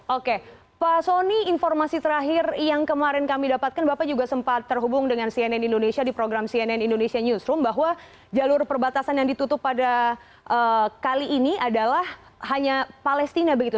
oke pak soni informasi terakhir yang kemarin kami dapatkan bapak juga sempat terhubung dengan cnn indonesia di program cnn indonesia newsroom bahwa jalur perbatasan yang ditutup pada kali ini adalah hanya palestina begitu